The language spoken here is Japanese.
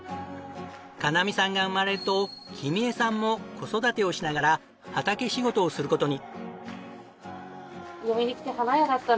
香菜美さんが生まれると君恵さんも子育てをしながら畑仕事をする事に。